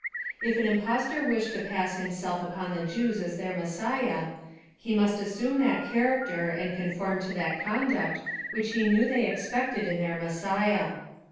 If an impostor wished to pass himself upon the Jews as their Messiah, he must assume that character and conform to that conduct, which lie knew they ex pected in their Messiah.